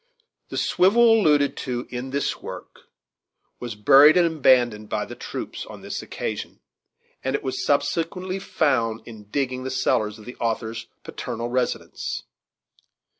The swivel alluded to in this work was buried and abandoned by the troops on this occasion, and it was subsequently found in digging the cellars of the authors paternal residence.